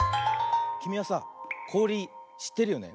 きみはさこおりしってるよね？